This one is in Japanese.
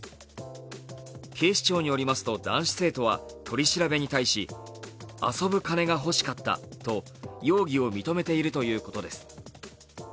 警視庁によりますと男子生徒は取り調べに対し遊ぶ金が欲しかったと容疑を認めているということです。